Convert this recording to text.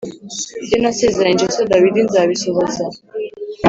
Ibyo nasezeranyije so Dawidi nzabisohoza